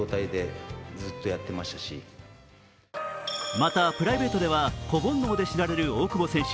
また、プライベートでは子煩悩で知られる大久保選手。